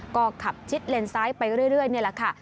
ก็ขับชิดเลนซ้ายไปเรื่อยนี่แหละค่ะ